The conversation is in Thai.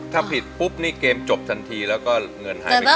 ถ้าผิดปุ๊บนี่เกมจบทันทีแล้วก็เงินหายไปก่อน